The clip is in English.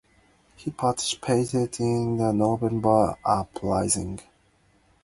He participated in the November Uprising.